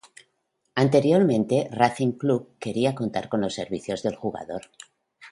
Anteriormente Racing Club quería contar con los servicios del jugador.